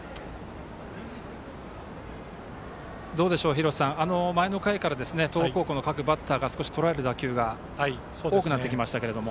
廣瀬さん、前の回から東北高校の各バッターが少しとらえる打球が多くなってきましたが。